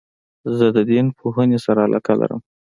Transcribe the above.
زه د دین پوهني سره علاقه لرم.